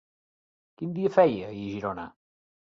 Quin dia feia ahir a Girona?